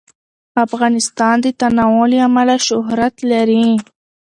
افغانستان د تنوع له امله شهرت لري.